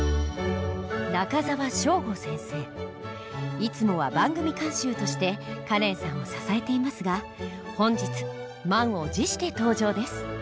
いつもは番組監修としてカレンさんを支えていますが本日満を持して登場です。